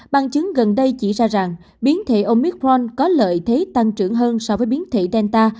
bằng chứng gần đây chỉ ra rằng biến thể omicron có lợi thế tăng trưởng hơn so với biến thể delta